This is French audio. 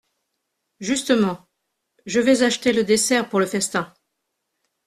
Justement… je vais acheter le dessert pour le festin…